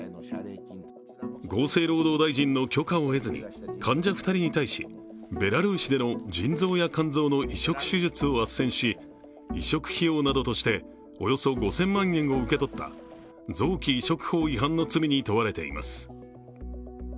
厚生労働大臣の許可を得ずに、患者２人に対しベラルーシでの腎臓や肝臓の移植手術をあっせんし、移植費用などとしておよそ５０００万円を受け取った臓器移植法違反の罪に問われています。